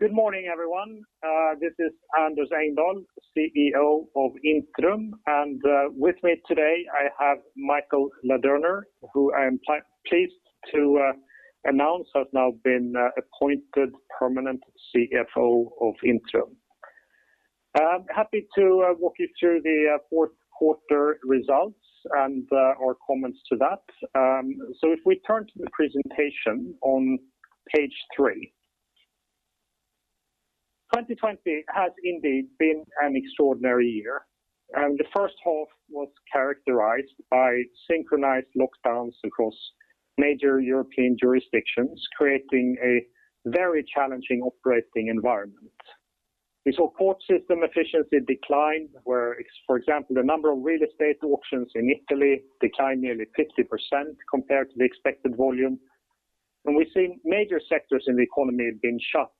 Good morning, everyone. This is Anders Engdahl, Chief Executive Officer of Intrum, and with me today I have Michael Ladurner, who I'm pleased to announce has now been appointed permanent Chief Financial Officer of Intrum. I'm happy to walk you through the fourth quarter results and our comments to that. If we turn to the presentation on page three. 2020 has indeed been an extraordinary year, and the first half was characterized by synchronized lockdowns across major European jurisdictions, creating a very challenging operating environment. We saw court system efficiency decline, where, for example, the number of real estate auctions in Italy declined nearly 50% compared to the expected volume. We've seen major sectors in the economy have been shut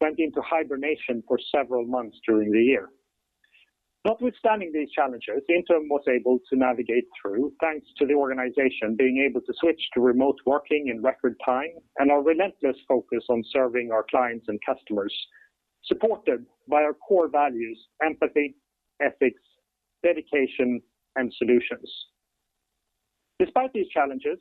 or went into hibernation for several months during the year. Notwithstanding these challenges, Intrum was able to navigate through, thanks to the organization being able to switch to remote working in record time and our relentless focus on serving our clients and customers, supported by our core values: empathy, ethics, dedication, and solutions. Despite these challenges,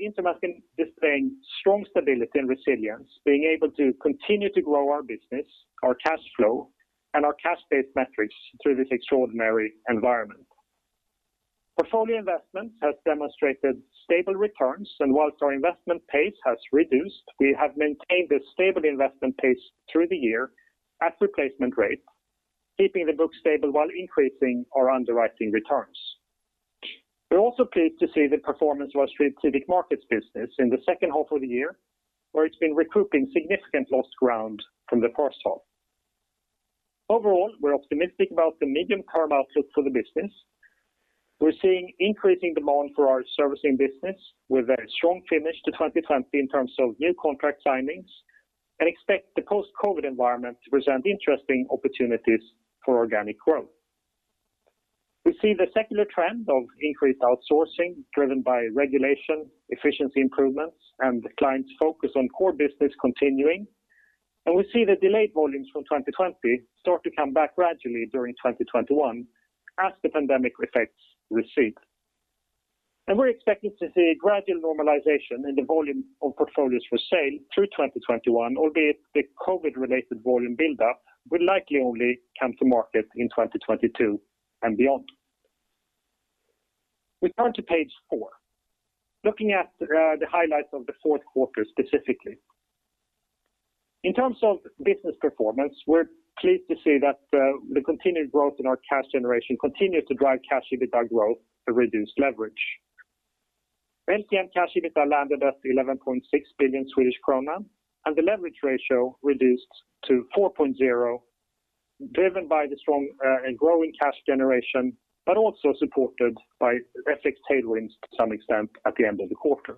Intrum has been displaying strong stability and resilience, being able to continue to grow our business, our cash flow, and our cash-based metrics through this extraordinary environment. Portfolio investment has demonstrated stable returns, and whilst our investment pace has reduced, we have maintained a stable investment pace through the year at replacement rate, keeping the book stable while increasing our underwriting returns. We're also pleased to see the performance of our strategic markets business in the second half of the year, where it's been recouping significant lost ground from the first half. Overall, we're optimistic about the medium-term outlook for the business. We're seeing increasing demand for our servicing business, with a strong finish to 2020 in terms of new contract signings, expect the post-COVID environment to present interesting opportunities for organic growth. We see the secular trend of increased outsourcing driven by regulation, efficiency improvements, the clients' focus on core business continuing, we see the delayed volumes from 2020 start to come back gradually during 2021 as the pandemic effects recede. We're expecting to see gradual normalization in the volume of portfolios for sale through 2021, albeit the COVID-related volume buildup will likely only come to market in 2022 and beyond. We turn to page four. Looking at the highlights of the fourth quarter specifically. In terms of business performance, we're pleased to see that the continued growth in our cash generation continues to drive cash EBITDA growth to reduce leverage. LTM cash EBITDA landed at 11.6 billion Swedish krona and the leverage ratio reduced to 4.0, driven by the strong and growing cash generation, but also supported by FX tailwinds to some extent at the end of the quarter.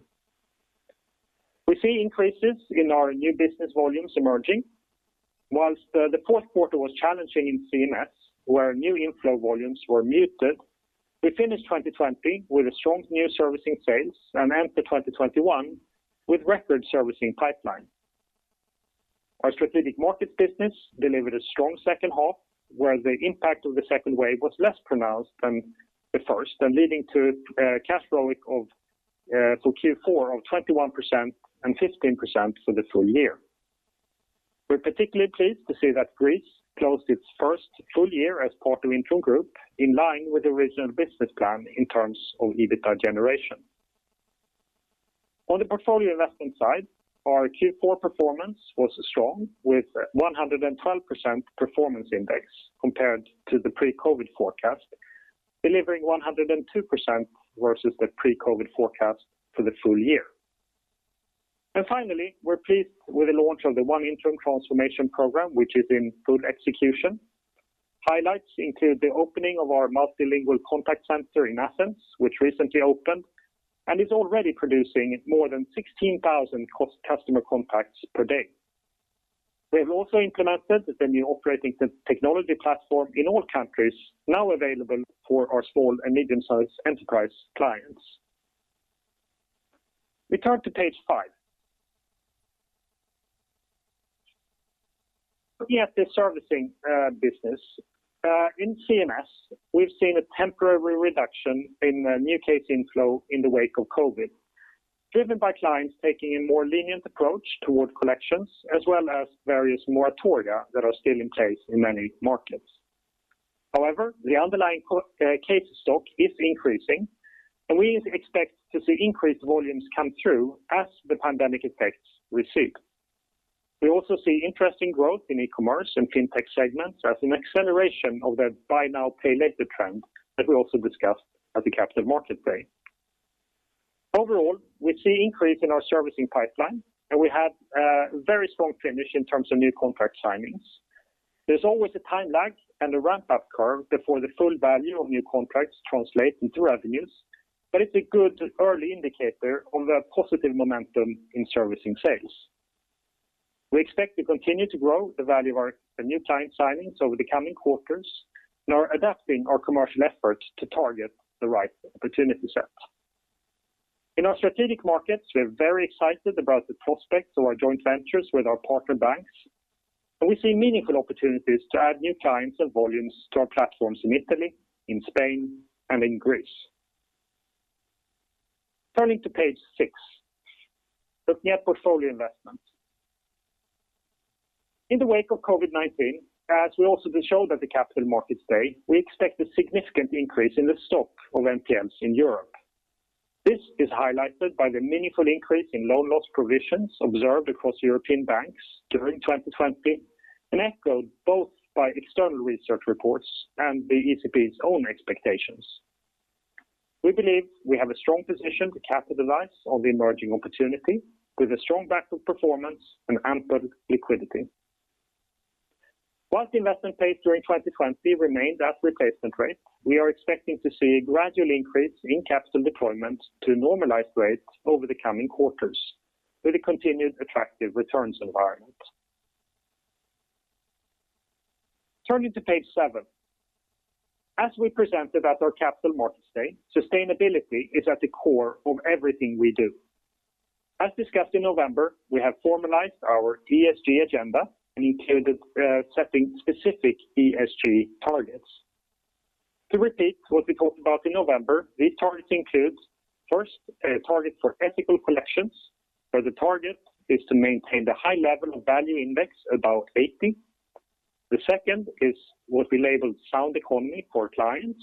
Whilst the fourth quarter was challenging in CMS where new inflow volumes were muted, we finished 2020 with a strong new servicing sales and enter 2021 with record servicing pipeline. Our strategic markets business delivered a strong second half, where the impact of the second wave was less pronounced than the first and leading to cash RoIC for Q4 of 21% and 15% for the full year. We're particularly pleased to see that Greece closed its first full year as part of Intrum Group in line with the original business plan in terms of EBITDA generation. On the portfolio investment side, our Q4 performance was strong, with 112% performance index compared to the pre-COVID forecast, delivering 102% versus the pre-COVID forecast for the full year. Finally, we're pleased with the launch of the ONE Intrum transformation program, which is in full execution. Highlights include the opening of our multilingual contact center in Athens, which recently opened and is already producing more than 16,000 customer contacts per day. We have also implemented the new operating technology platform in all countries, now available for our small and medium-sized enterprise clients. We turn to page five. Looking at the servicing business. In CMS, we've seen a temporary reduction in new case inflow in the wake of COVID, driven by clients taking a more lenient approach toward collections, as well as various moratoria that are still in place in many markets. The underlying case stock is increasing, and we expect to see increased volumes come through as the pandemic effects recede. We also see interesting growth in e-commerce and fintech segments as an acceleration of the buy now, pay later trend that we also discussed at the Capital Markets Day. We see increase in our servicing pipeline, and we had a very strong finish in terms of new contract signings. There's always a time lag and a ramp-up curve before the full value of new contracts translate into revenues, but it's a good early indicator of the positive momentum in servicing sales. We expect to continue to grow the value of our new client signings over the coming quarters and are adapting our commercial efforts to target the right opportunity set. In our strategic markets, we are very excited about the prospects of our joint ventures with our partner banks, and we see meaningful opportunities to add new clients and volumes to our platforms in Italy, in Spain, and in Greece. Turning to page six, looking at portfolio investment. In the wake of COVID-19, as we also showed at the Capital Markets Day, we expect a significant increase in the stock of NPLs in Europe. This is highlighted by the meaningful increase in loan loss provisions observed across European banks during 2020 and echoed both by external research reports and the ECB's own expectations. We believe we have a strong position to capitalize on the emerging opportunity with a strong back of performance and ample liquidity. Whilst investment pace during 2020 remained at replacement rate, we are expecting to see a gradual increase in capital deployment to normalized rates over the coming quarters with a continued attractive returns environment. Turning to page seven. As we presented at our Capital Markets Day, sustainability is at the core of everything we do. As discussed in November, we have formalized our ESG agenda and included setting specific ESG targets. To repeat what we talked about in November, these targets include, first, a target for ethical collections, where the target is to maintain the high level of value index above 80. The second is what we labeled sound economy for clients.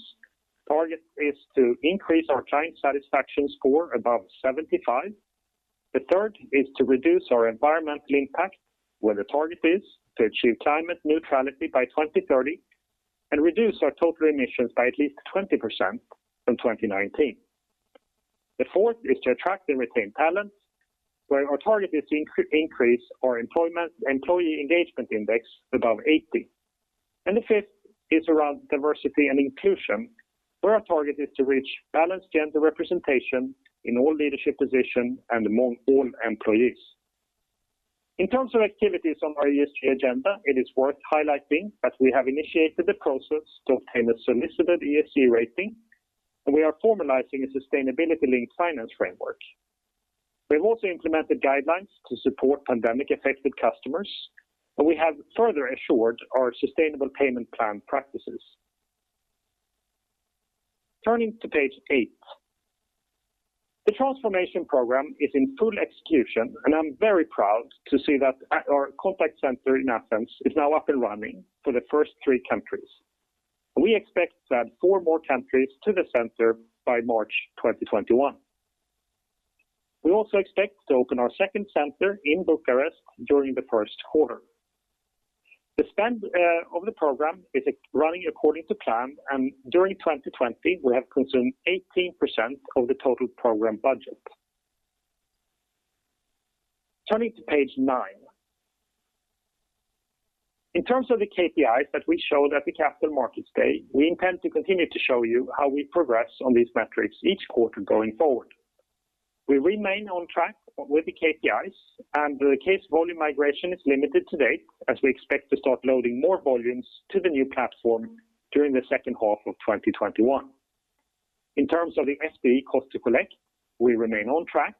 Target is to increase our client satisfaction score above 75. The third is to reduce our environmental impact, where the target is to achieve climate neutrality by 2030 and reduce our total emissions by at least 20% from 2019. The fourth is to attract and retain talent, where our target is to increase our employee engagement index above 80, and the fifth is around diversity and inclusion, where our target is to reach balanced gender representation in all leadership positions and among all employees. In terms of activities on our ESG agenda, it is worth highlighting that we have initiated the process to obtain a solicited ESG rating, and we are formalizing a sustainability-linked finance framework. We have also implemented guidelines to support pandemic-affected customers, and we have further assured our sustainable payment plan practices. Turning to page eight. The transformation program is in full execution, and I'm very proud to see that our contact center in Athens is now up and running for the first three countries. We expect to add four more countries to the center by March 2021. We also expect to open our second center in Bucharest during the first quarter. The spend of the program is running according to plan, and during 2020, we have consumed 18% of the total program budget. Turning to page nine. In terms of the KPIs that we showed at the Capital Markets Day, we intend to continue to show you how we progress on these metrics each quarter going forward. We remain on track with the KPIs, and the case volume migration is limited to date as we expect to start loading more volumes to the new platform during the second half of 2021. In terms of the SPE cost to collect, we remain on track,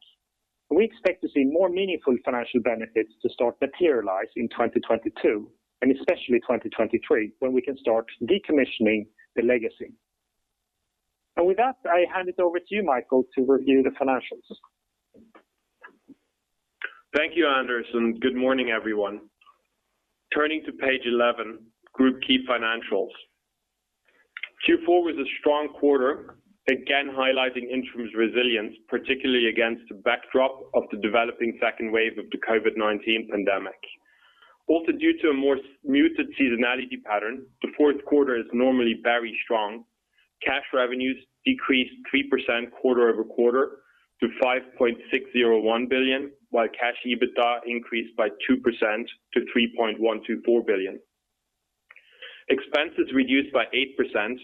and we expect to see more meaningful financial benefits to start materialize in 2022 and especially 2023, when we can start decommissioning the legacy. With that, I hand it over to you, Michael, to review the financials. Thank you, Anders, and good morning, everyone. Turning to page 11, group key financials. Q4 was a strong quarter, again highlighting Intrum's resilience, particularly against the backdrop of the developing second wave of the COVID-19 pandemic. Due to a more muted seasonality pattern, the fourth quarter is normally very strong. Cash revenues decreased 3% quarter-over-quarter to 5.601 billion, while cash EBITDA increased by 2% to 3.124 billion. Expenses reduced by 8%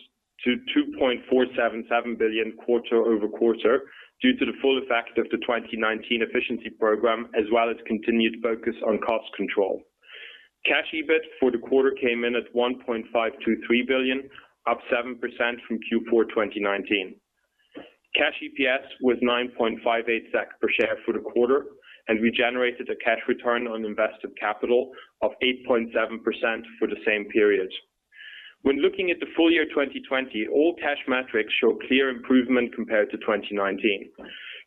to 2.477 billion quarter-over-quarter due to the full effect of the 2019 efficiency program as well as continued focus on cost control. Cash EBIT for the quarter came in at 1.523 billion, up 7% from Q4 2019. Cash EPS was 9.58 SEK per share for the quarter, and we generated a cash return on invested capital of 8.7% for the same period. When looking at the full year 2020, all cash metrics show clear improvement compared to 2019.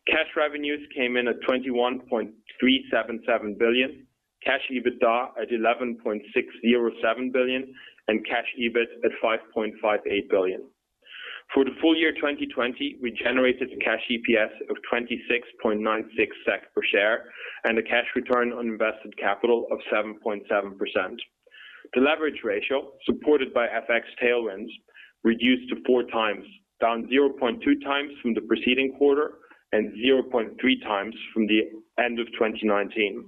Cash revenues came in at 21.377 billion, cash EBITDA at 11.607 billion, and cash EBIT at 5.58 billion. For the full year 2020, we generated cash EPS of 26.96 SEK per share and a cash return on invested capital of 7.7%. The leverage ratio, supported by FX tailwinds, reduced to four times, down 0.2x from the preceding quarter and 0.3x from the end of 2019.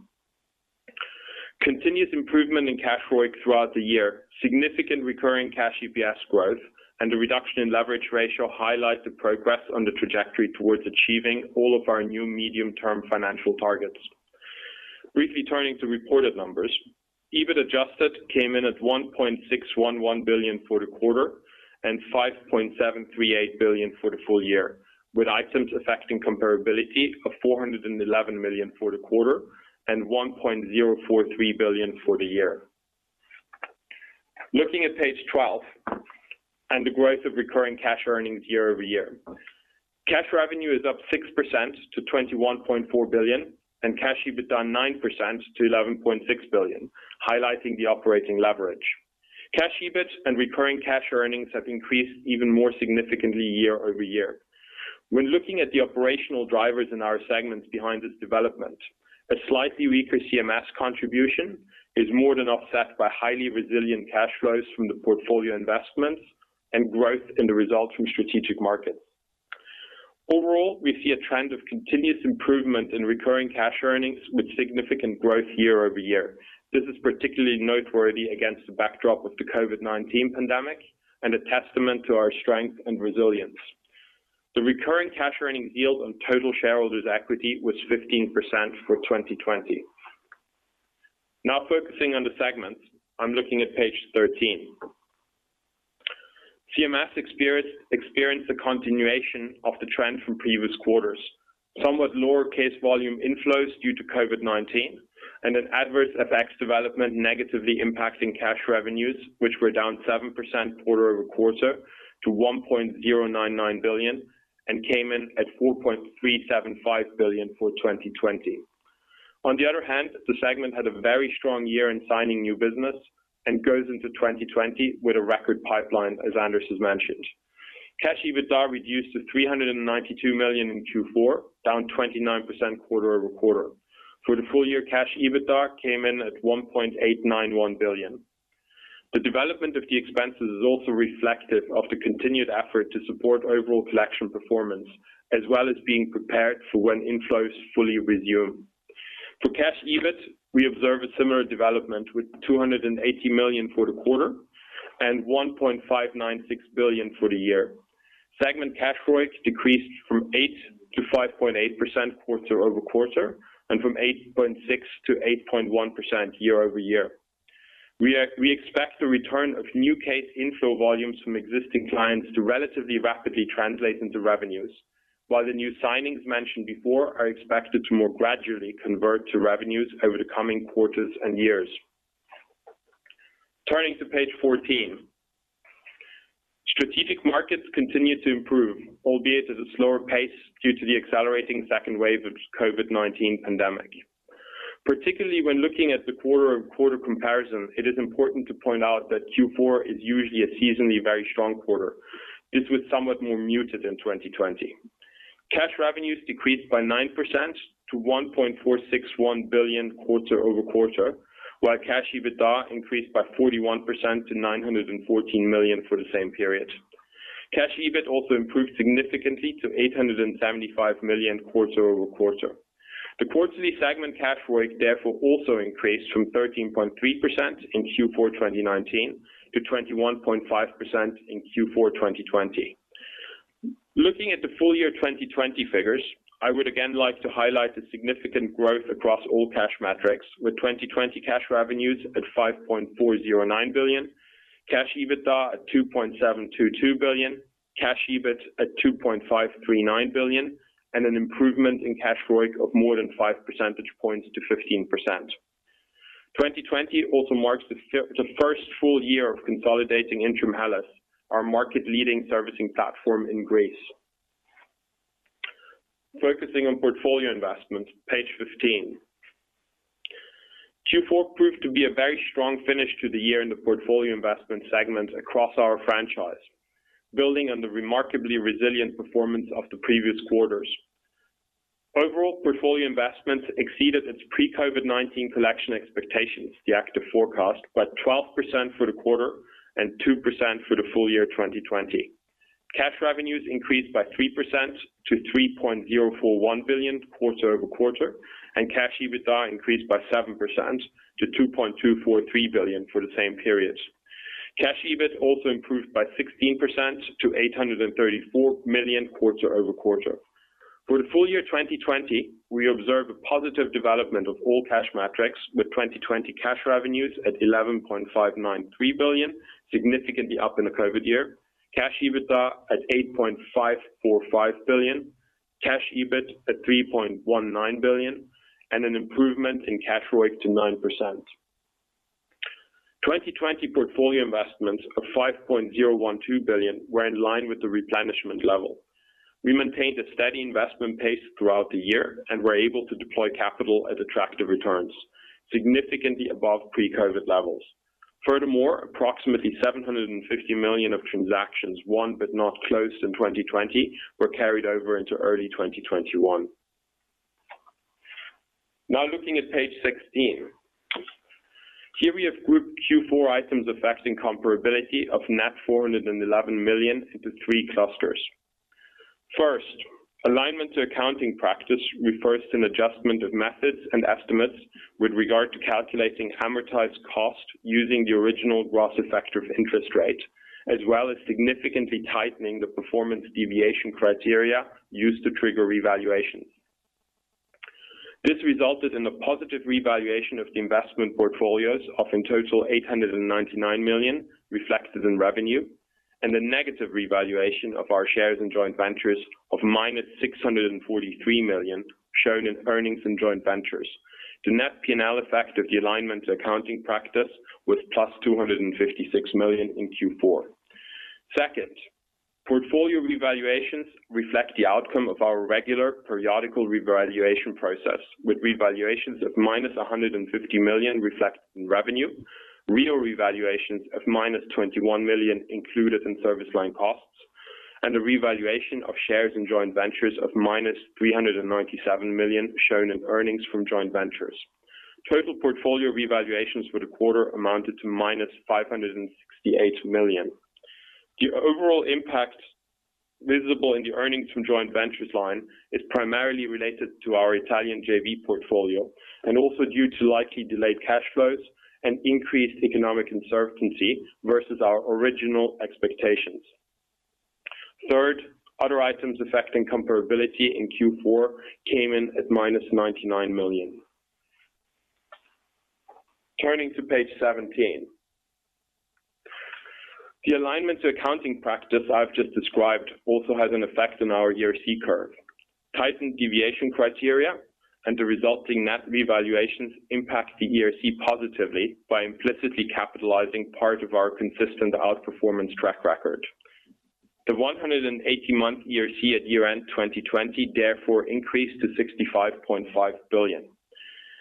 Continuous improvement in cash flow throughout the year, significant recurring cash EPS growth, and the reduction in leverage ratio highlight the progress on the trajectory towards achieving all of our new medium-term financial targets. Briefly turning to reported numbers. EBIT adjusted came in at 1.611 billion for the quarter and 5.738 billion for the full year, with items affecting comparability of 411 million for the quarter and 1.043 billion for the year. Looking at page 12 and the growth of recurring cash earnings year-over-year. Cash revenue is up 6% to 21.4 billion and cash EBIT down 9% to 11.6 billion, highlighting the operating leverage. Cash EBIT and recurring cash earnings have increased even more significantly year-over-year. When looking at the operational drivers in our segments behind this development, a slightly weaker CMS contribution is more than offset by highly resilient cash flows from the portfolio investments and growth in the results from Strategic Markets. Overall, we see a trend of continuous improvement in recurring cash earnings with significant growth year-over-year. This is particularly noteworthy against the backdrop of the COVID-19 pandemic and a testament to our strength and resilience. The recurring cash earnings yield on total shareholders' equity was 15% for 2020. Focusing on the segments. I'm looking at page 13. CMS experienced a continuation of the trend from previous quarters. Somewhat lower case volume inflows due to COVID-19 and an adverse FX development negatively impacting cash revenues, which were down 7% quarter-over-quarter to 1.099 billion and came in at 4.375 billion for 2020. The segment had a very strong year in signing new business and goes into 2020 with a record pipeline, as Anders has mentioned. Cash EBITDA reduced to 392 million in Q4, down 29% quarter-over-quarter. For the full year, Cash EBITDA came in at 1.891 billion. The development of the expenses is also reflective of the continued effort to support overall collection performance, as well as being prepared for when inflows fully resume. For cash EBIT, we observe a similar development with 280 million for the quarter and 1.596 billion for the year. Segment cash RoIC decreased from 8% to 5.8% quarter-over-quarter, and from 8.6% to 8.1% year-over-year. We expect the return of new case inflow volumes from existing clients to relatively rapidly translate into revenues, while the new signings mentioned before are expected to more gradually convert to revenues over the coming quarters and years. Turning to page 14. Strategic markets continue to improve, albeit at a slower pace due to the accelerating second wave of COVID-19 pandemic. Particularly when looking at the quarter-over-quarter comparison, it is important to point out that Q4 is usually a seasonally very strong quarter. This was somewhat more muted in 2020. cash revenues decreased by 9% to 1.461 billion quarter-over-quarter, while cash EBITDA increased by 41% to 914 million for the same period. cash EBIT also improved significantly to 875 million quarter-over-quarter. The quarterly segment cash RoIC therefore also increased from 13.3% in Q4 2019 to 21.5% in Q4 2020. Looking at the full year 2020 figures, I would again like to highlight the significant growth across all cash metrics, with 2020 cash revenues at 5.409 billion, cash EBITDA at 2.722 billion, cash EBIT at 2.539 billion, and an improvement in cash RoIC of more than five percentage points to 15%. 2020 also marks the first full year of consolidating Intrum Hellas, our market-leading servicing platform in Greece. Focusing on portfolio investments, page 15. Q4 proved to be a very strong finish to the year in the portfolio investment segment across our franchise, building on the remarkably resilient performance of the previous quarters. Overall, portfolio investments exceeded its pre-COVID-19 collection expectations, the active forecast, by 12% for the quarter and 2% for the full year 2020. Cash revenues increased by 3% to 3.041 billion quarter-over-quarter. Cash EBITDA increased by 7% to 2.243 billion for the same periods. Cash EBIT also improved by 16% to 834 million quarter-over-quarter. For the full year 2020, we observe a positive development of all cash metrics with 2020 cash revenues at 11.593 billion, significantly up in the COVID year, cash EBITDA at 8.545 billion, cash EBIT at 3.19 billion, and an improvement in cash RoIC to 9%. 2020 portfolio investments of 5.012 billion were in line with the replenishment level. We maintained a steady investment pace throughout the year and were able to deploy capital at attractive returns, significantly above pre-COVID levels. Approximately 750 million of transactions won but not closed in 2020 were carried over into early 2021. Looking at page 16. Here we have grouped Q4 items affecting comparability of net 411 million into three clusters. First, alignment to accounting practice refers to an adjustment of methods and estimates with regard to calculating amortized cost using the original gross effective interest rate, as well as significantly tightening the performance deviation criteria used to trigger revaluations. This resulted in a positive revaluation of the investment portfolios of in total 899 million reflected in revenue, and a negative revaluation of our shares in joint ventures of -643 million, shown in earnings in joint ventures. The net P&L effect of the alignment accounting practice was +256 million in Q4. Second, portfolio revaluations reflect the outcome of our regular periodical revaluation process, with revaluations of minus 150 million reflected in revenue, real revaluations of -21 million included in service line costs, and a revaluation of shares in joint ventures of -397 million shown in earnings from joint ventures. Total portfolio revaluations for the quarter amounted to -568 million. The overall impact visible in the earnings from joint ventures line is primarily related to our Italian JV portfolio, and also due to likely delayed cash flows and increased economic uncertainty versus our original expectations. Third, other items affecting comparability in Q4 came in at -99 million. Turning to page 17. The alignment to accounting practice I've just described also has an effect on our ERC curve. Tightened deviation criteria and the resulting net revaluations impact the ERC positively by implicitly capitalizing part of our consistent outperformance track record. The 180-month ERC at year-end 2020 therefore increased to 65.5 billion.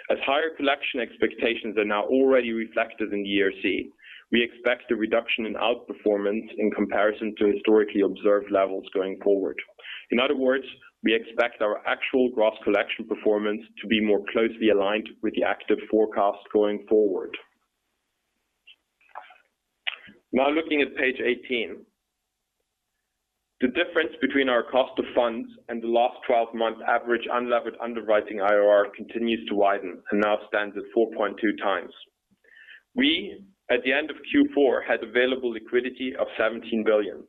As higher collection expectations are now already reflected in the ERC, we expect a reduction in outperformance in comparison to historically observed levels going forward. In other words, we expect our actual gross collection performance to be more closely aligned with the active forecast going forward. Looking at page 18. The difference between our cost of funds and the last 12-month average unlevered underwriting IRR continues to widen and now stands at 4.2x. We, at the end of Q4, had available liquidity of 17 billion,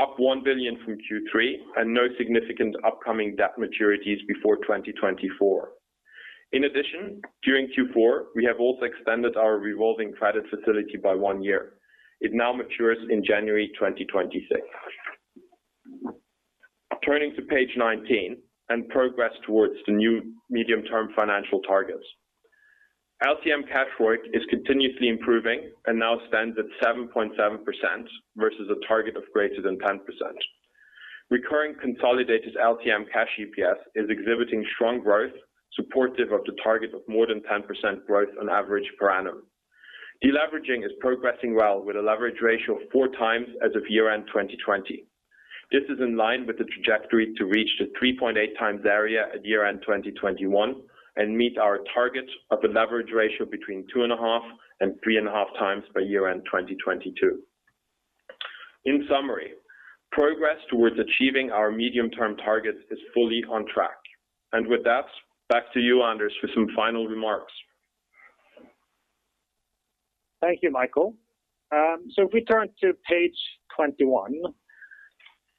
up 1 billion from Q3, and no significant upcoming debt maturities before 2024. During Q4, we have also extended our revolving credit facility by one year. It now matures in January 2026. Turning to page 19 and progress towards the new medium-term financial targets. LTM cash RoIC is continuously improving and now stands at 7.7% versus a target of greater than 10%. Recurring consolidated LTM cash EPS is exhibiting strong growth supportive of the target of more than 10% growth on average per annum. Deleveraging is progressing well with a leverage ratio of 4x as of year-end 2020. This is in line with the trajectory to reach the 3.8x area at year-end 2021 and meet our target of a leverage ratio between 2.5x and 3.5x by year-end 2022. In summary, progress towards achieving our medium-term targets is fully on track. With that, back to you, Anders, for some final remarks. Thank you, Michael. If we turn to page 21.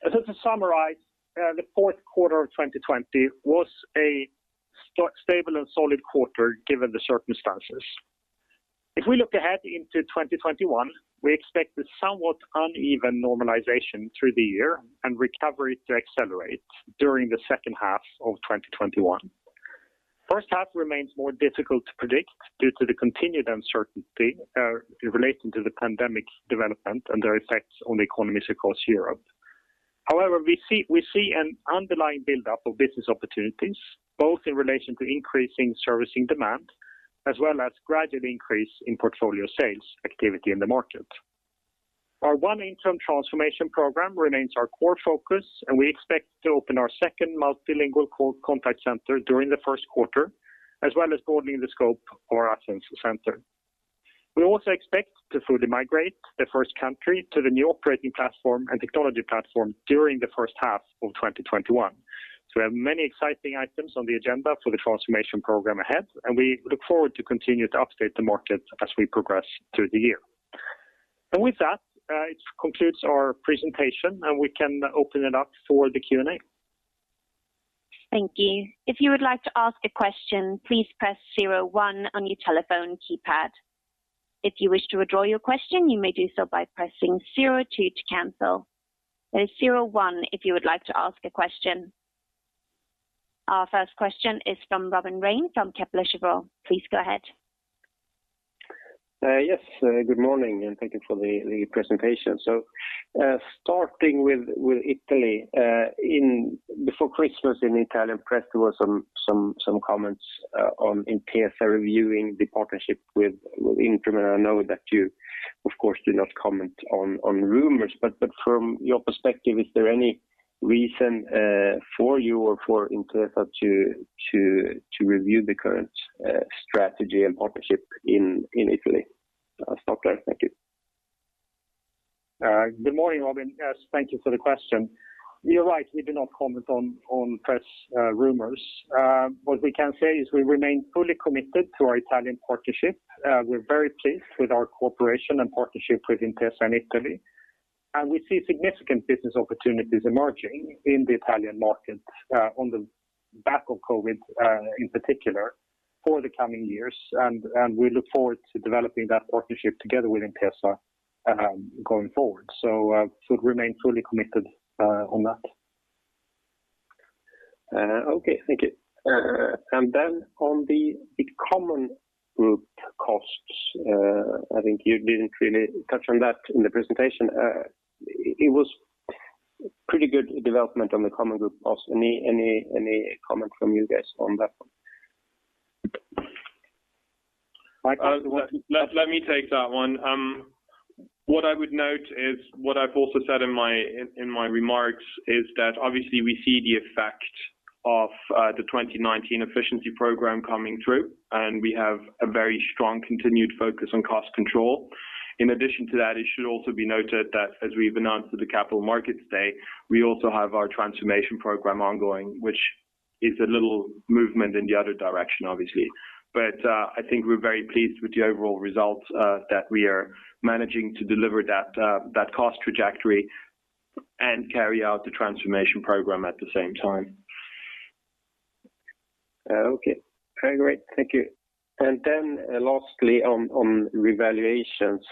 To summarize, the fourth quarter of 2020 was a stable and solid quarter given the circumstances. If we look ahead into 2021, we expect a somewhat uneven normalization through the year and recovery to accelerate during the second half of 2021. First half remains more difficult to predict due to the continued uncertainty relating to the pandemic's development and their effects on the economies across Europe. However, we see an underlying buildup of business opportunities, both in relation to increasing servicing demand as well as gradual increase in portfolio sales activity in the market. Our ONE Intrum transformation program remains our core focus, and we expect to open our second multilingual call contact center during the first quarter, as well as broadening the scope of our Athens center. We also expect to fully migrate the first country to the new operating platform and technology platform during the first half of 2021. We have many exciting items on the agenda for the transformation program ahead, and we look forward to continue to update the market as we progress through the year. With that, it concludes our presentation, and we can open it up for the Q&A. Thank you. If you would like to ask a question, please press zero one on your telephone keypad. If you wish to withdraw your question, you may do so by pressing zero two to cancel. That is zero one if you would like to ask a question. Our first question is from Robin Rane from Kepler Cheuvreux. Please go ahead. Yes. Good morning, and thank you for the presentation. Starting with Italy, before Christmas in the Italian press there was some comments on Intesa reviewing the partnership with Intrum. I know that you of course do not comment on rumors, but from your perspective, is there any reason for you or for Intesa to review the current strategy and partnership in Italy? I will stop there. Thank you. Good morning, Robin. Yes, thank you for the question. You are right, we do not comment on press rumors. What we can say is we remain fully committed to our Italian partnership. We are very pleased with our cooperation and partnership with Intesa in Italy. We see significant business opportunities emerging in the Italian market on the back of COVID, in particular for the coming years. We look forward to developing that partnership together with Intesa going forward. We should remain fully committed on that. Okay. Thank you. On the common group costs, I think you didn't really touch on that in the presentation. It was pretty good development on the common group costs. Any comment from you guys on that one? Michael, do you want to? Let me take that one. What I would note is what I've also said in my remarks is that obviously we see the effect of the 2019 efficiency program coming through, and we have a very strong continued focus on cost control. In addition to that, it should also be noted that as we've announced at the Capital Markets Day, we also have our transformation program ongoing, which is a little movement in the other direction, obviously. I think we're very pleased with the overall results, that we are managing to deliver that cost trajectory and carry out the transformation program at the same time. Okay. Great. Thank you. Then lastly, on revaluations.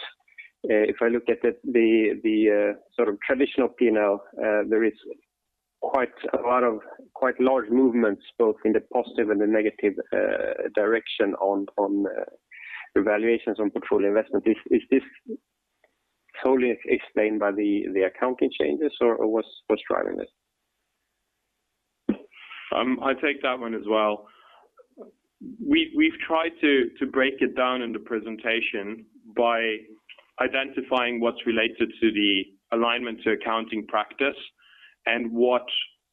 If I look at the sort of traditional P&L there is quite a lot of quite large movements, both in the positive and the negative direction on valuations on portfolio investment. Is this solely explained by the accounting changes or what's driving this? I'll take that one as well. We've tried to break it down in the presentation by identifying what's related to the alignment to accounting practice and what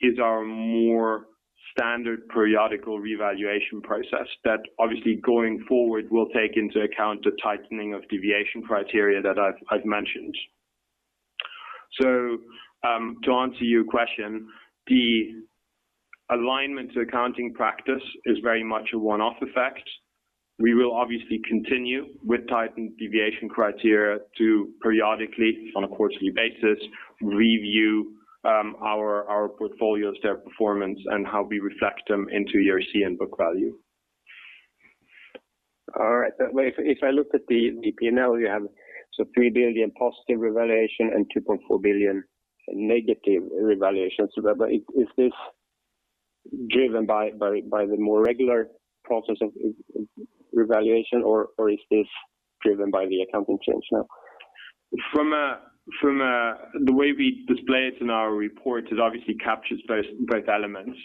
is our more standard periodical revaluation process that obviously going forward will take into account the tightening of deviation criteria that I've mentioned. To answer your question, the alignment to accounting practice is very much a one-off effect. We will obviously continue with tightened deviation criteria to periodically, on a quarterly basis, review our portfolios, their performance, and how we reflect them into ERC and book value. All right. If I look at the P&L, you have 3 billion positive revaluation and 2.4 billion negative revaluations. Is this driven by the more regular process of revaluation, or is this driven by the accounting change now? From the way we display it in our report, it obviously captures both elements,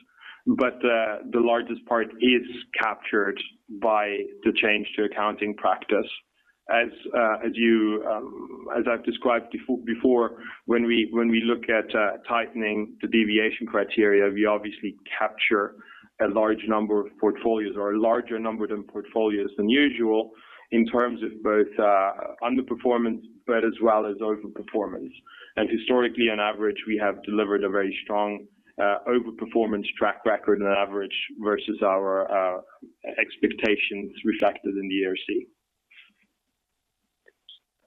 but the largest part is captured by the change to accounting practice. As I've described before, when we look at tightening the deviation criteria, we obviously capture a large number of portfolios or a larger number of portfolios than usual in terms of both underperformance, but as well as overperformance. Historically, on average, we have delivered a very strong overperformance track record on average versus our expectations reflected in the ERC.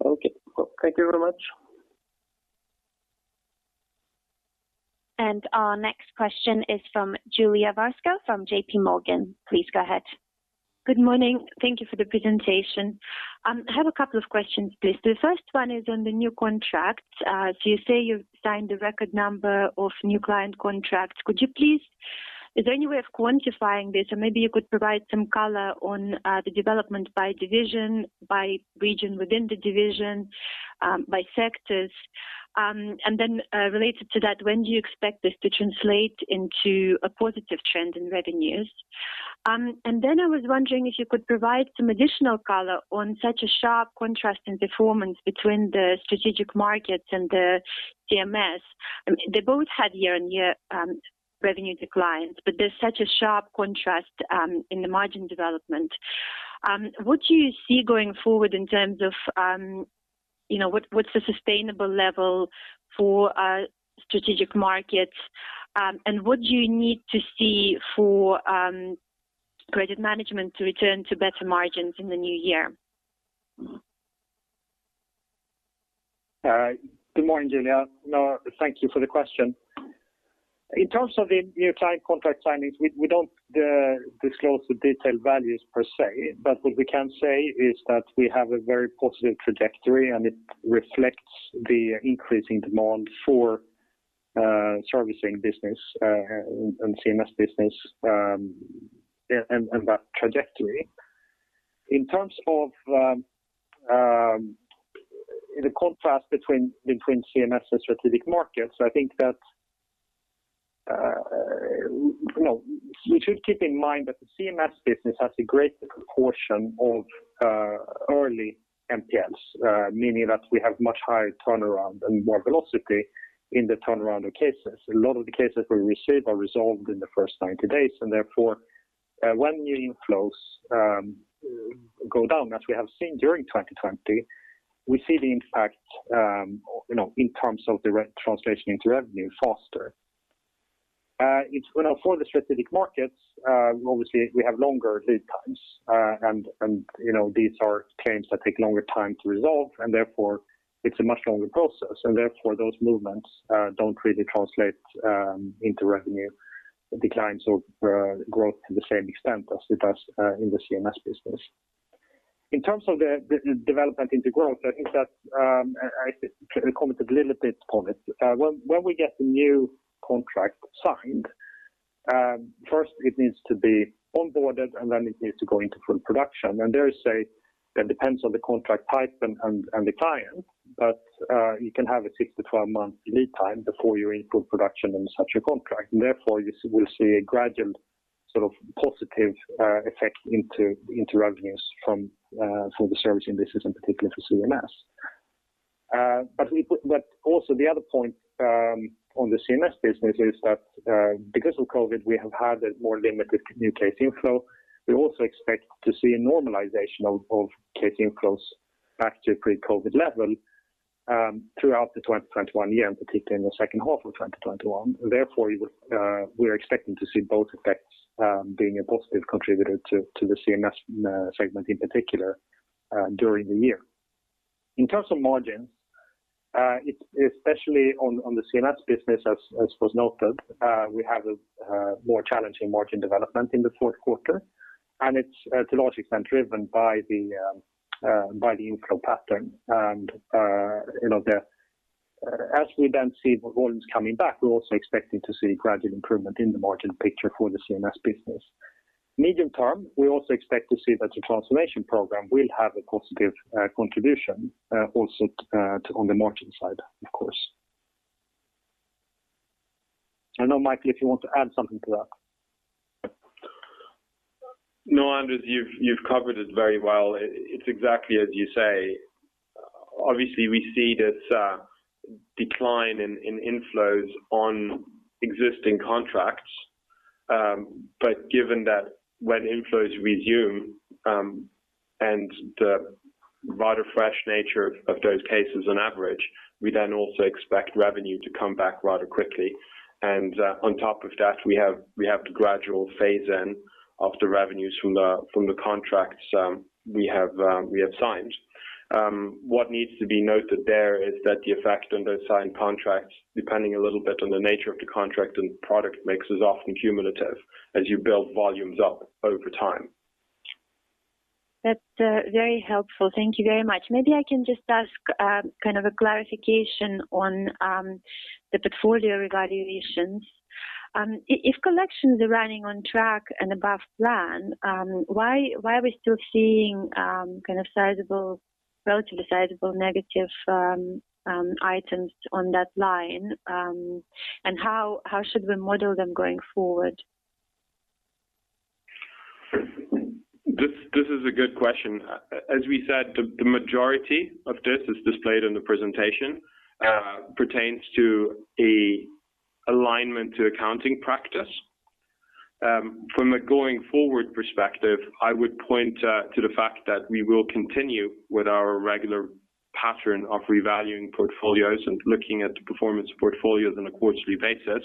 Okay. Thank you very much. Our next question is from Julia Varesko from JPMorgan. Please go ahead. Good morning. Thank you for the presentation. I have a couple of questions, please. The first one is on the new contracts. You say you've signed a record number of new client contracts. Could you please, is there any way of quantifying this? Or maybe you could provide some color on the development by division, by region within the division, by sectors. Related to that, when do you expect this to translate into a positive trend in revenues? I was wondering if you could provide some additional color on such a sharp contrast in performance between the strategic markets and the CMS. They both had year-on-year revenue declines, but there's such a sharp contrast in the margin development. What do you see going forward in terms of what's a sustainable level for strategic markets? What do you need to see for credit management to return to better margins in the new year? All right. Good morning, Julia. Thank you for the question. In terms of the new client contract signings, we don't disclose the detailed values per se, but what we can say is that we have a very positive trajectory, and it reflects the increasing demand for servicing business and CMS business, and that trajectory. In terms of the contrast between CMS and strategic markets, I think that we should keep in mind that the CMS business has a greater proportion of early NPLs, meaning that we have much higher turnaround and more velocity in the turnaround of cases. A lot of the cases we receive are resolved in the first 90 days. Therefore, when new inflows go down, as we have seen during 2020, we see the impact in terms of the translation into revenue faster. For the strategic markets, obviously we have longer lead times. These are claims that take longer time to resolve, and therefore it is a much longer process. Therefore those movements do not really translate into revenue declines of growth to the same extent as it does in the CMS business. In terms of the development into growth, I think that I commented a little bit on it. When we get the new contract signed, first it needs to be onboarded, and then it needs to go into full production. It depends on the contract type and the client, but you can have a 6-12-month lead time before you are in full production on such a contract. Therefore you will see a gradual positive effect into revenues from the servicing business and particularly for CMS. Also the other point on the CMS business is that because of COVID, we have had a more limited new case inflow. We also expect to see a normalization of case inflows back to pre-COVID level throughout 2021, and particularly in the second half of 2021. Therefore, we're expecting to see both effects being a positive contributor to the CMS segment in particular during the year. In terms of margins, especially on the CMS business as was noted, we have a more challenging margin development in the fourth quarter, and it's to a large extent driven by the inflow pattern. As we then see volumes coming back, we're also expecting to see gradual improvement in the margin picture for the CMS business. Medium term, we also expect to see that the transformation program will have a positive contribution also on the margin side, of course. I don't know, Michael, if you want to add something to that. No, Anders, you've covered it very well. It's exactly as you say. Obviously, we see this decline in inflows on existing contracts. Given that when inflows resume and the rather fresh nature of those cases on average, we then also expect revenue to come back rather quickly. On top of that, we have the gradual phase in of the revenues from the contracts we have signed. What needs to be noted there is that the effect on those signed contracts, depending a little bit on the nature of the contract and product mix, is often cumulative as you build volumes up over time. That's very helpful. Thank you very much. Maybe I can just ask a clarification on the portfolio revaluations. If collections are running on track and above plan, why are we still seeing relatively sizable negative items on that line? How should we model them going forward? This is a good question. As we said, the majority of this is displayed in the presentation pertains to a alignment to accounting practice. From a going forward perspective, I would point to the fact that we will continue with our regular pattern of revaluing portfolios and looking at the performance portfolios on a quarterly basis.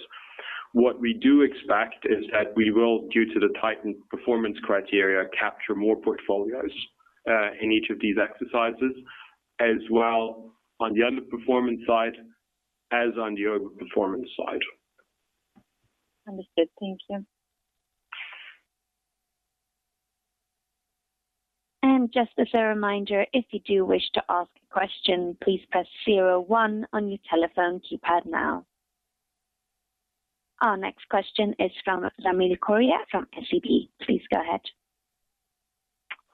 What we do expect is that we will, due to the tightened performance criteria, capture more portfolios in each of these exercises as well on the underperformance side as on the overperformance side. Understood. Thank you. Just as a reminder, if you do wish to ask a question, please press zero one on your telephone keypad now. Our next question is from Ramil Koria from SEB. Please go ahead.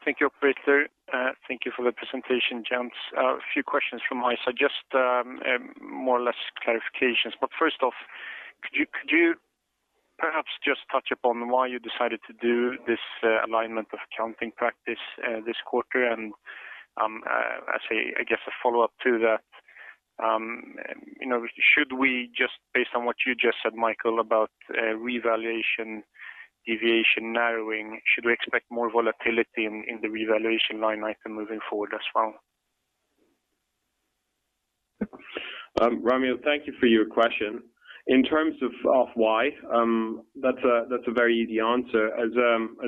Thank you, Operator. Thank you for the presentation, gents. A few questions from my side, just more or less clarifications. First off, could you perhaps just touch upon why you decided to do this alignment of accounting practice this quarter? I guess a follow up to that, should we just based on what you just said, Michael, about revaluation deviation narrowing, should we expect more volatility in the revaluation line item moving forward as well? Ramil, thank you for your question. In terms of why, that's a very easy answer. As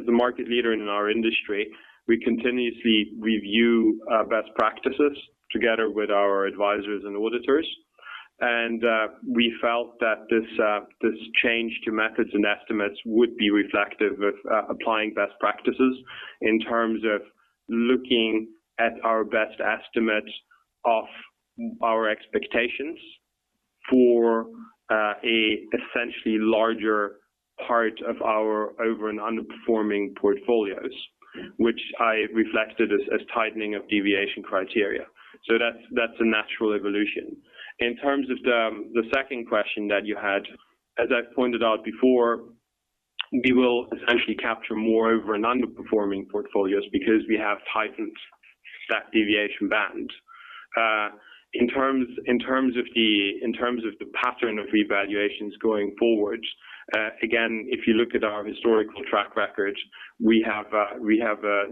a market leader in our industry, we continuously review best practices together with our advisors and auditors. We felt that this change to methods and estimates would be reflective of applying best practices in terms of looking at our best estimate of our expectations for a essentially larger part of our over and underperforming portfolios, which I reflected as tightening of deviation criteria. That's a natural evolution. In terms of the second question that you had, as I pointed out before, we will essentially capture more over and underperforming portfolios because we have tightened that deviation band. In terms of the pattern of revaluations going forward, again, if you look at our historical track record, we have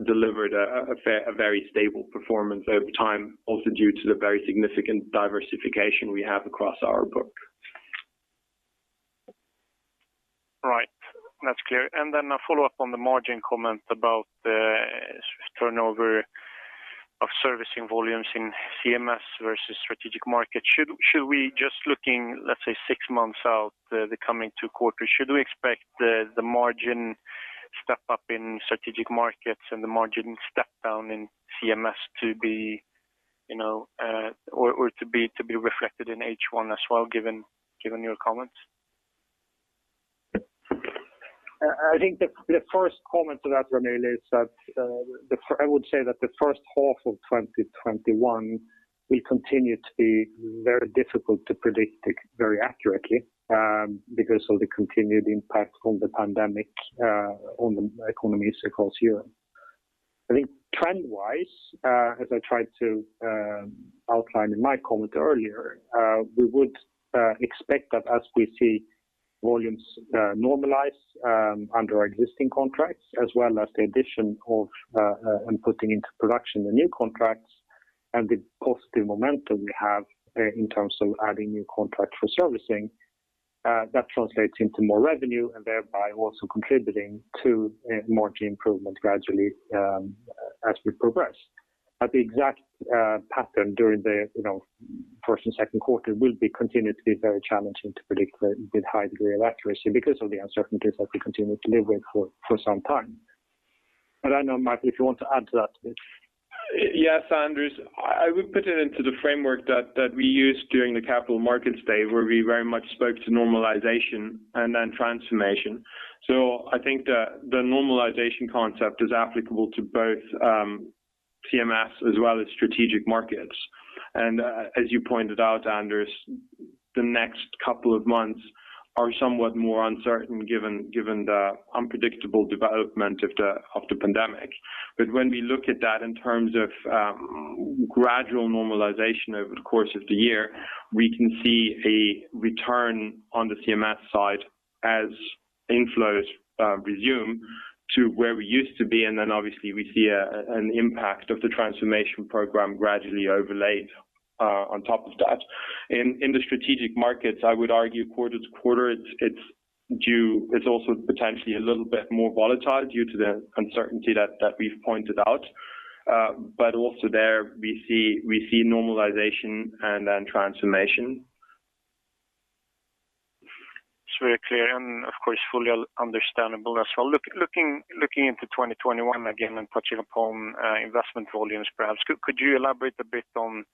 delivered a very stable performance over time also due to the very significant diversification we have across our book. That's clear. A follow-up on the margin comment about the turnover of servicing volumes in CMS versus strategic market. Should we just looking, let's say, six months out, the coming two quarters, should we expect the margin step up in strategic markets and the margin step down in CMS to be reflected in H1 as well given your comments? I think the first comment to that, Ramil, is that I would say that the first half of 2021 will continue to be very difficult to predict very accurately because of the continued impact from the pandemic on the economies across Europe. I think trend-wise, as I tried to outline in my comment earlier, we would expect that as we see volumes normalize under our existing contracts as well as the addition of and putting into production the new contracts and the positive momentum we have in terms of adding new contracts for servicing that translates into more revenue and thereby also contributing to margin improvement gradually as we progress. The exact pattern during the first and second quarter will be continued to be very challenging to predict with high degree of accuracy because of the uncertainties that we continue to live with for some time. I know, Michael, if you want to add to that bit. Yes, Anders. I would put it into the framework that we used during the Capital Markets Day, where we very much spoke to normalization and then transformation. I think the normalization concept is applicable to both CMS as well as strategic markets. As you pointed out, Anders, the next couple of months are somewhat more uncertain given the unpredictable development of the pandemic. When we look at that in terms of gradual normalization over the course of the year, we can see a return on the CMS side as inflows resume to where we used to be. Obviously we see an impact of the transformation program gradually overlaid on top of that. In the strategic markets, I would argue quarter to quarter it's also potentially a little bit more volatile due to the uncertainty that we've pointed out. Also there we see normalization and then transformation. It's very clear and of course, fully understandable as well. Looking into 2021 again and touching upon investment volumes perhaps, could you elaborate a bit on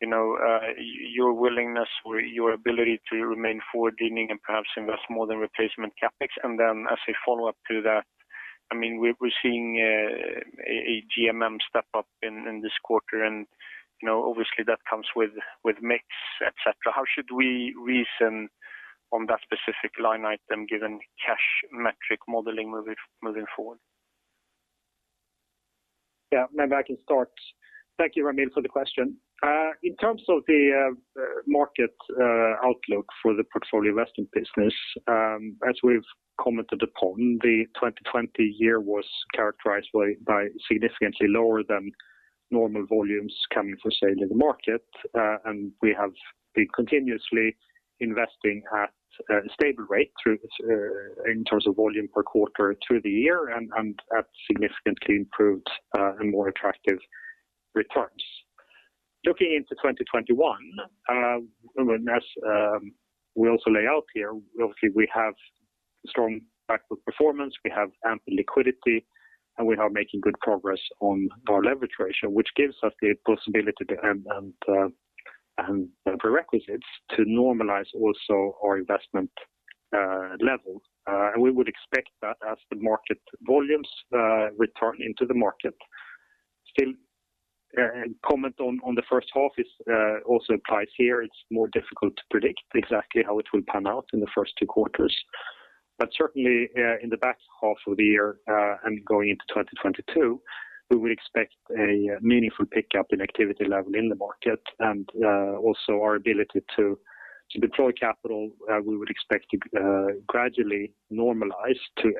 your willingness or your ability to remain forward-leaning and perhaps invest more than replacement CapEx? As a follow-up to that, we're seeing a GMM step up in this quarter and obviously that comes with mix, et cetera. How should we reason on that specific line item given cash metric modeling moving forward? Yeah, maybe I can start. Thank you, Ramil, for the question. In terms of the market outlook for the portfolio investment business as we've commented upon the 2020 year was characterized by significantly lower than normal volumes coming for sale in the market. We have been continuously investing at a stable rate in terms of volume per quarter through the year and at significantly improved and more attractive returns. Looking into 2021 and as we also lay out here, obviously we have strong back book performance, we have ample liquidity, and we are making good progress on our leverage ratio, which gives us the possibility and prerequisites to normalize also our investment levels. We would expect that as the market volumes return into the market still and comment on the first half also applies here. It's more difficult to predict exactly how it will pan out in the first two quarters. Certainly in the back half of the year and going into 2022, we would expect a meaningful pickup in activity level in the market and also our ability to deploy capital we would expect to gradually normalize to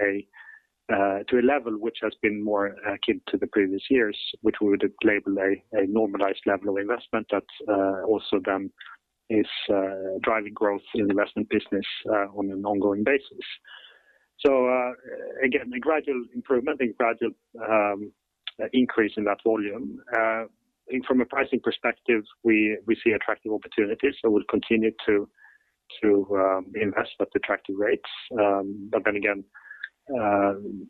a level which has been more akin to the previous years which we would label a normalized level of investment that also then is driving growth in investment business on an ongoing basis. Again, a gradual improvement and gradual increase in that volume. From a pricing perspective we see attractive opportunities. We'll continue to invest at attractive rates. Again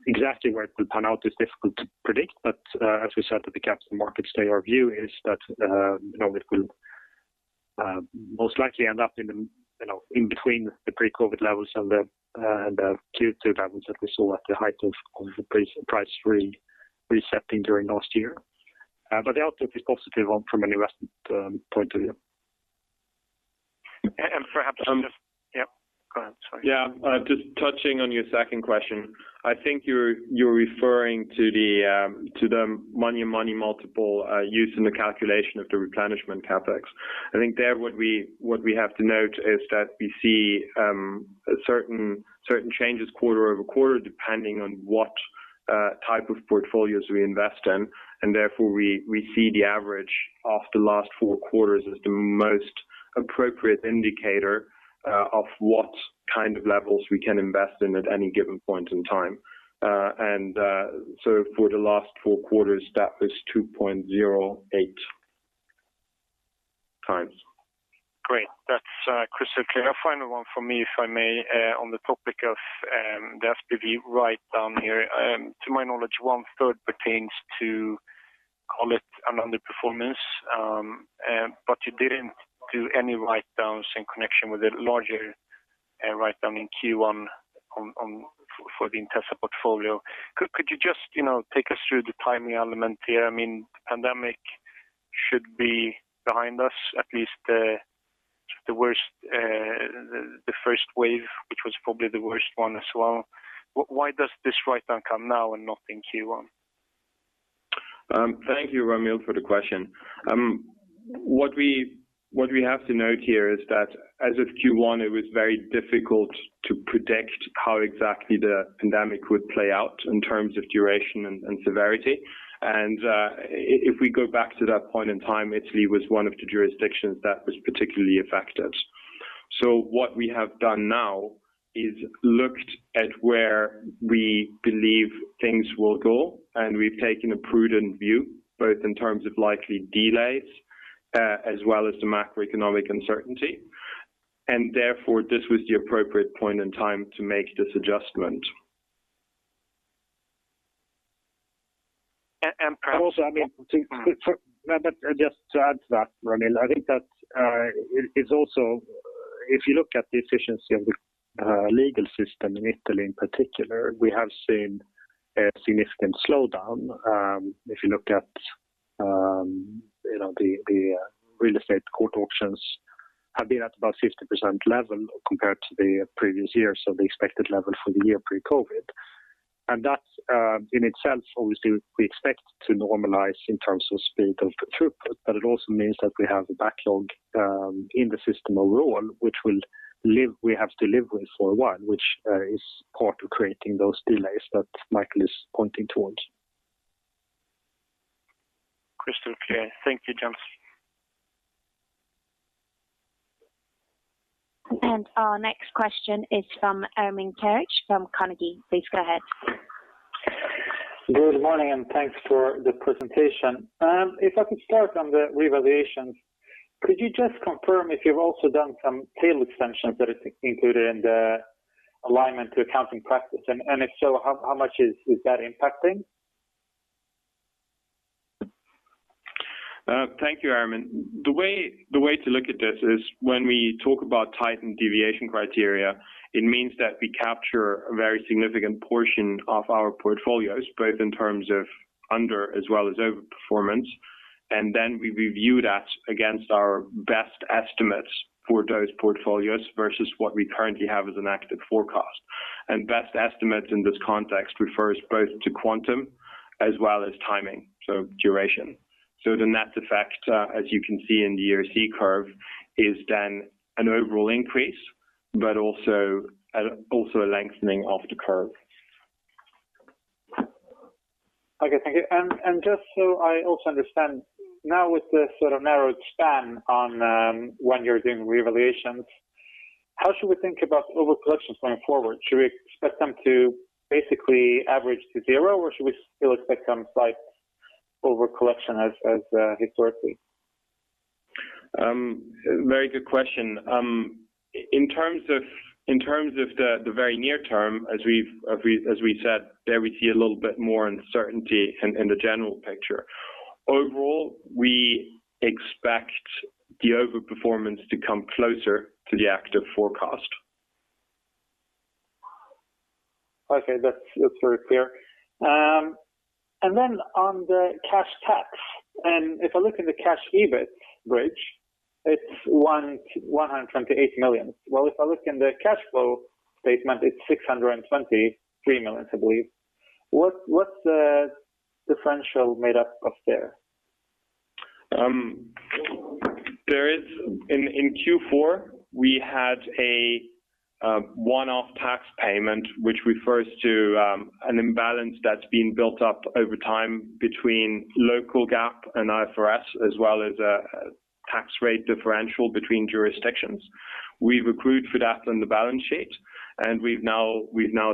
exactly where it will pan out is difficult to predict but as we said at the Capital Markets Day our view is that it will most likely end up in between the pre-COVID levels and the Q2 levels that we saw at the height of the price resetting during last year. The outlook is positive from an investment point of view. Perhaps just. Yeah, go ahead. Sorry. Yeah. Just touching on your second question. I think you are referring to the money multiple used in the calculation of the replenishment CapEx. I think there what we have to note is that we see certain changes quarter-over-quarter depending on what type of portfolios we invest in, and therefore we see the average of the last four quarters as the most appropriate indicator of what kind of levels we can invest in at any given point in time. For the last four quarters, that was 2.08x. Great. That's crystal clear. A final one from me, if I may, on the topic of the SPV write down here. To my knowledge, one third pertains to, call it an underperformance, but you didn't do any write downs in connection with the larger write down in Q1 for the Intesa portfolio. Could you just take us through the timing element here? The pandemic should be behind us, at least the first wave, which was probably the worst one as well. Why does this write down come now and not in Q1? Thank you, Ramil, for the question. What we have to note here is that as of Q1, it was very difficult to predict how exactly the pandemic would play out in terms of duration and severity. If we go back to that point in time, Italy was one of the jurisdictions that was particularly affected. What we have done now is looked at where we believe things will go, and we've taken a prudent view, both in terms of likely delays as well as the macroeconomic uncertainty. Therefore, this was the appropriate point in time to make this adjustment. Also, I mean. Just to add to that, Ramil, I think that it is also, if you look at the efficiency of the legal system in Italy in particular, we have seen a significant slowdown. If you look at the real estate court auctions have been at about 50% level compared to the previous year, so the expected level for the year pre-COVID. That in itself, obviously we expect to normalize in terms of speed of the throughput, but it also means that we have a backlog in the system overall, which we have to live with for a while, which is part of creating those delays that Michael is pointing towards. Crystal clear. Thank you, gents. Our next question is from Ermin Keric from Carnegie. Please go ahead. Good morning. Thanks for the presentation. If I could start on the revaluations, could you just confirm if you've also done some tail extensions that are included in the alignment to accounting practice? If so, how much is that impacting? Thank you, Ermin. The way to look at this is when we talk about tightened deviation criteria, it means that we capture a very significant portion of our portfolios, both in terms of under as well as over performance, and then we review that against our best estimates for those portfolios versus what we currently have as an active forecast. Best estimates in this context refers both to quantum as well as timing, so duration. The net effect, as you can see in the ERC curve, is an overall increase, but also a lengthening of the curve. Okay, thank you. Just so I also understand, now with the sort of narrowed span on when you're doing revaluations, how should we think about over collections going forward? Should we expect them to basically average to zero, or should we still expect some slight over collection as historically? Very good question. In terms of the very near term, as we said, there we see a little bit more uncertainty in the general picture. Overall, we expect the overperformance to come closer to the active forecast. Okay. That's very clear. On the cash tax, if I look in the cash EBIT bridge, it's 128 million. If I look in the cash flow statement, it's 623 million, I believe. What's the differential made up of there? In Q4, we had a one-off tax payment, which refers to an imbalance that's been built up over time between local GAAP and IFRS, as well as a tax rate differential between jurisdictions. We've accrued for that on the balance sheet, and we've now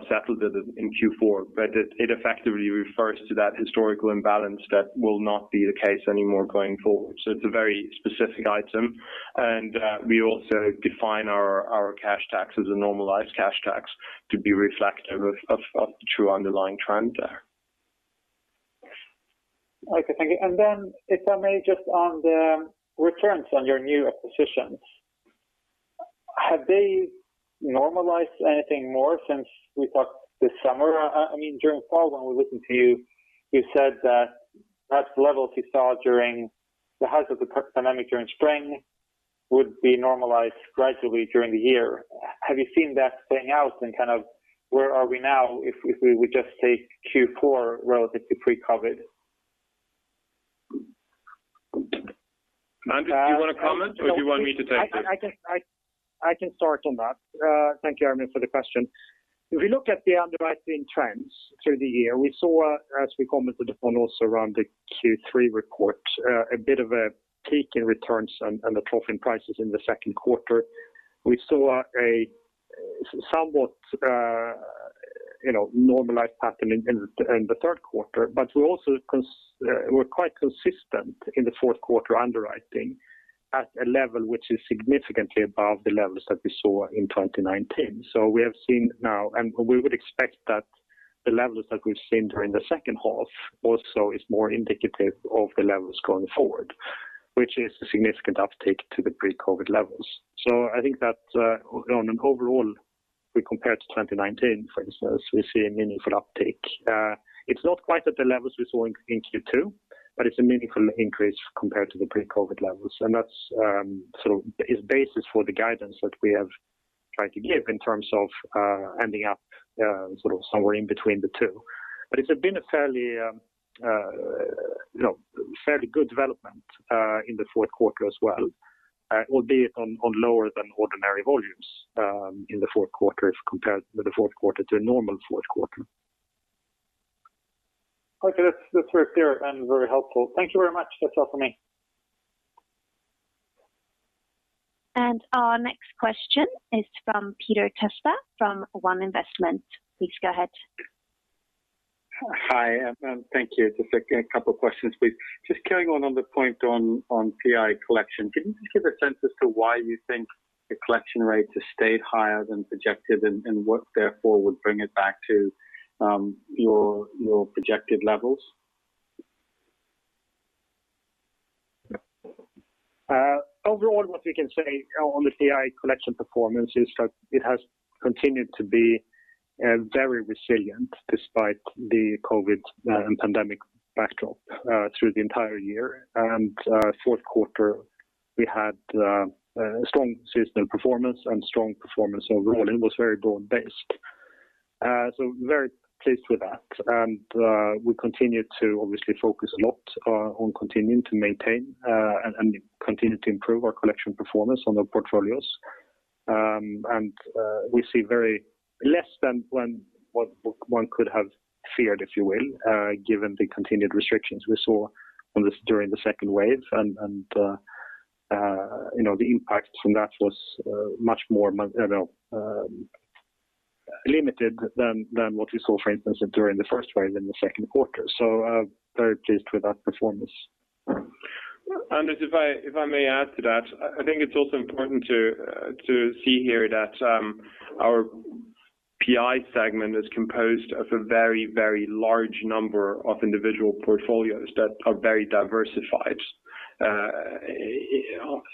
settled it in Q4. It effectively refers to that historical imbalance that will not be the case anymore going forward. It's a very specific item, and we also define our cash tax as a normalized cash tax to be reflective of the true underlying trend there. Okay, thank you. If I may, just on the returns on your new acquisitions, have they normalized anything more since we talked this summer? I mean, during fall when we listened to you said that perhaps the levels you saw during the height of the pandemic during spring would be normalized gradually during the year. Have you seen that playing out and kind of where are we now if we just take Q4 relative to pre-COVID? Anders, do you want to comment, or do you want me to take this? I can start on that. Thank you, Ermin, for the question. If we look at the underwriting trends through the year, we saw, as we commented upon also around the Q3 report, a bit of a peak in returns on the trough in prices in the second quarter. We saw a somewhat normalized pattern in the third quarter. We're quite consistent in the fourth quarter underwriting at a level which is significantly above the levels that we saw in 2019. We have seen now, and we would expect that the levels that we've seen during the second half also is more indicative of the levels going forward, which is a significant uptake to the pre-COVID levels. I think that on an overall, we compare to 2019, for instance, we see a meaningful uptake. It's not quite at the levels we saw in Q2, but it's a meaningful increase compared to the pre-COVID levels. That's sort of is basis for the guidance that we have tried to give in terms of ending up sort of somewhere in between the two. It had been a fairly good development in the fourth quarter as well, albeit on lower than ordinary volumes in the fourth quarter as compared with the fourth quarter to a normal fourth quarter. Okay. That's very clear and very helpful. Thank you very much. That's all for me. Our next question is from Peter Testa from One Investment. Please go ahead. Hi, thank you. Just a couple questions, please. Just carrying on on the point on PI collection, can you just give a sense as to why you think the collection rates have stayed higher than projected and what therefore would bring it back to your projected levels? Overall, what we can say on the PI collection performance is that it has continued to be very resilient despite the COVID pandemic backdrop through the entire year. Fourth quarter, we had strong seasonal performance and strong performance overall, and it was very broad-based. Very pleased with that. We continue to obviously focus a lot on continuing to maintain and continue to improve our collection performance on the portfolios. We see very less than what one could have feared, if you will, given the continued restrictions we saw on this during the second wave. The impact from that was much more limited than what we saw, for instance, during the first wave in the second quarter. Very pleased with that performance. Anders, if I may add to that. I think it's also important to see here that our PI segment is composed of a very, very large number of individual portfolios that are very diversified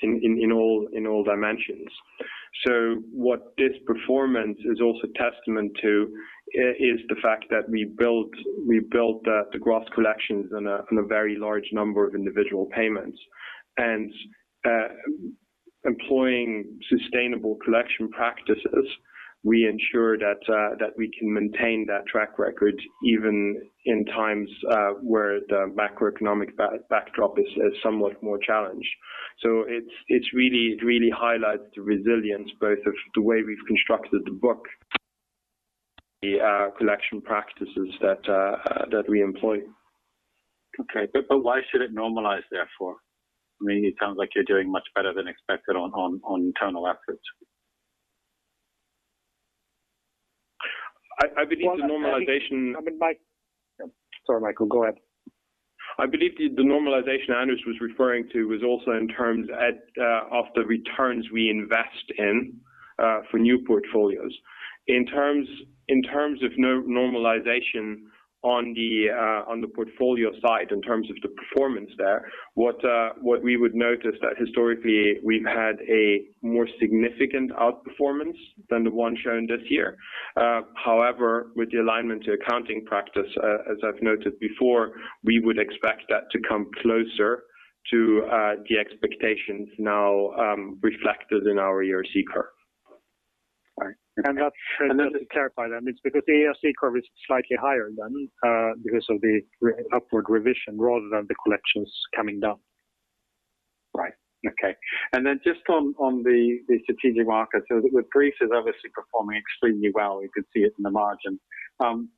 in all dimensions. What this performance is also testament to is the fact that we built the gross collections on a very large number of individual payments. Employing sustainable collection practices, we ensure that we can maintain that track record even in times where the macroeconomic backdrop is somewhat more challenged. It really highlights the resilience, both of the way we've constructed the book, the collection practices that we employ. Okay. Why should it normalize, therefore? I mean, it sounds like you're doing much better than expected on internal efforts. I believe the normalization. Well, I think, I mean by. Sorry, Michael. Go ahead. I believe the normalization Anders was referring to was also in terms of the returns we invest in for new portfolios. In terms of normalization on the portfolio side, in terms of the performance there, what we would note is that historically, we've had a more significant outperformance than the one shown this year. However, with the alignment to accounting practice, as I've noted before, we would expect that to come closer to the expectations now reflected in our ERC curve. All right. Just to clarify that, it's because the ERC curve is slightly higher than because of the upward revision rather than the collections coming down. Right. Okay. Just on the strategic market, with Greece is obviously performing extremely well. We could see it in the margin.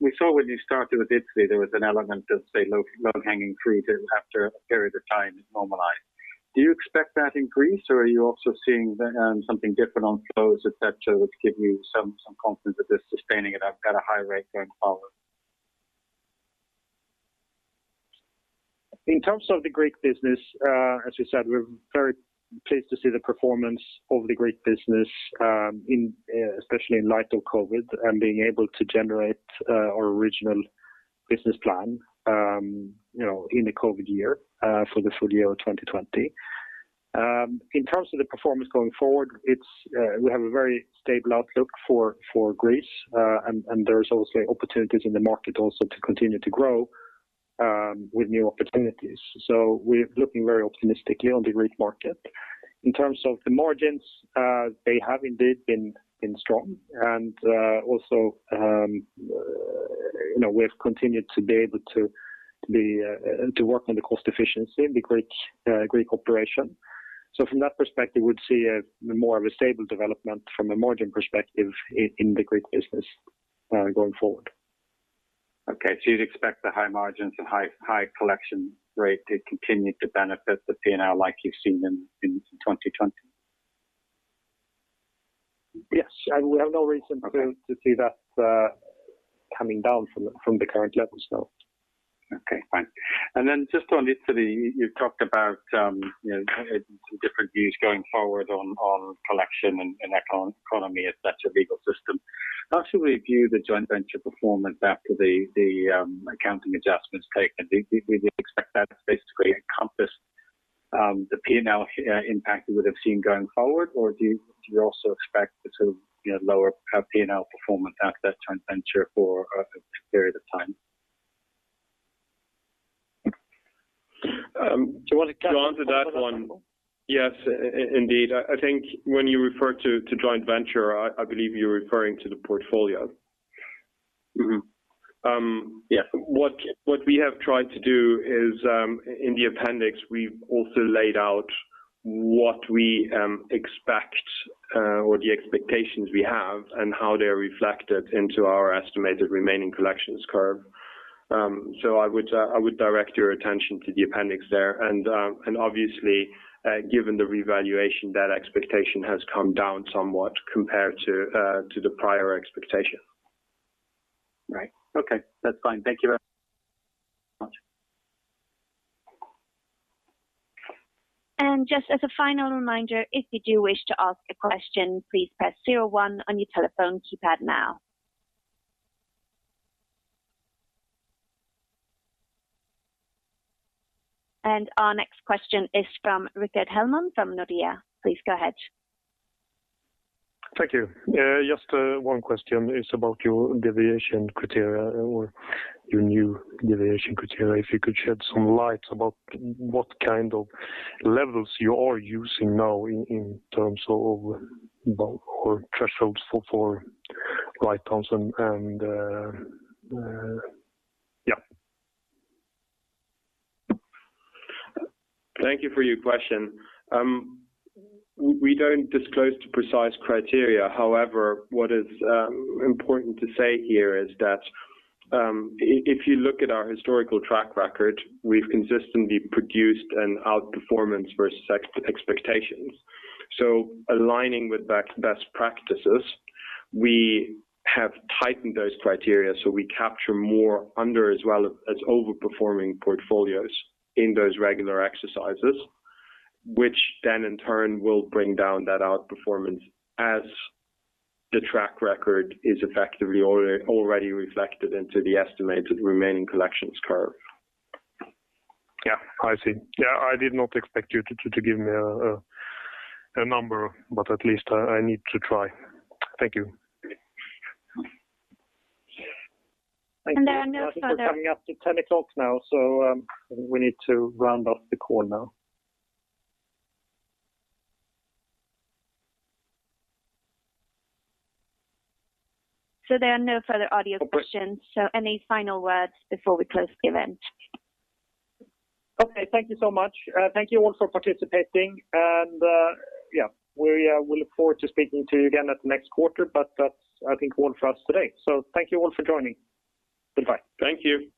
We saw when you started with Italy, there was an element of, say, low-hanging fruit after a period of time it normalized. Do you expect that in Greece, or are you also seeing something different on flows, et cetera, which give you some confidence that they're sustaining at a high rate going forward? In terms of the Greek business, as you said, we're very pleased to see the performance of the Greek business, especially in light of COVID, and being able to generate our original business plan in the COVID year for the full year of 2020. In terms of the performance going forward, we have a very stable outlook for Greece. There's also opportunities in the market also to continue to grow with new opportunities. We're looking very optimistically on the Greek market. In terms of the margins, they have indeed been strong, and also we've continued to be able to work on the cost efficiency in the Greek operation. From that perspective, we'd see more of a stable development from a margin perspective in the Greek business going forward. Okay. You'd expect the high margins and high collection rate to continue to benefit the P&L like you've seen in 2020? Yes. We have no. Okay. To see that coming down from the current levels. Okay, fine. Just on Italy, you've talked about some different views going forward on collection and economy as such a legal system. How should we view the joint venture performance after the accounting adjustments taken? Do you expect that to basically encompass the P&L impact we would've seen going forward, or do you also expect to lower our P&L performance after that joint venture for a period of time? Do you want to? On to that one, yes, indeed. I think when you refer to joint venture, I believe you're referring to the portfolio. Mm-hmm. Yeah. What we have tried to do is, in the appendix, we've also laid out what we expect or the expectations we have and how they're reflected into our estimated remaining collections curve. I would direct your attention to the appendix there. Obviously, given the revaluation, that expectation has come down somewhat compared to the prior expectation. Right. Okay. That's fine. Thank you very much. Just as a final reminder, if you do wish to ask a question, please press zero one on your telephone keypad now. Our next question is from Rickard Hellman from Nordea. Please go ahead. Thank you. Just one question. It's about your deviation criteria or your new deviation criteria. If you could shed some light about what kind of levels you are using now in terms of both your thresholds for write-downs and. Thank you for your question. We don't disclose the precise criteria. However, what is important to say here is that, if you look at our historical track record, we've consistently produced an outperformance versus expectations. Aligning with best practices, we have tightened those criteria so we capture more under as well as over-performing portfolios in those regular exercises, which then in turn will bring down that outperformance as the track record is effectively already reflected into the estimated remaining collections curve. Yeah. I see. I did not expect you to give me a number, but at least I need to try. Thank you. And there are no further. Thank you. I think we're coming up to 10:00 A.M. now, so we need to round up the call now. There are no further audio questions. Any final words before we close the event? Okay. Thank you so much. Thank you all for participating and we look forward to speaking to you again at the next quarter, but that's all for us today. Thank you all for joining. Goodbye. Thank you.